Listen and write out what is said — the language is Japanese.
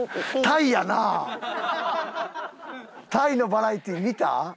タイのバラエティ見た？